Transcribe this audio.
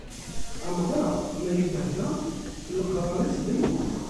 Amɣar ma yebbehba, leqrar-is d lmut